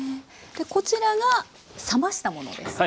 でこちらが冷ましたものですね。